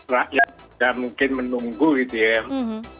rakyat sudah mungkin menunggu yudhiyah